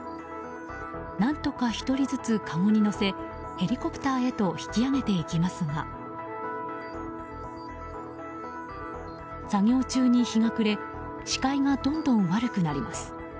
何とか１人ずつ、かごに乗せヘリコプターへと引き上げていきますが作業中に日が暮れ視界がどんどん悪くなります。